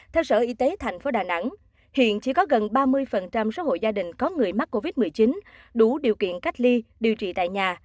theo sở y tế tp đà nẵng hiện chỉ có gần ba mươi số hộ gia đình có người mắc covid một mươi chín đủ điều kiện cách ly điều trị tại nhà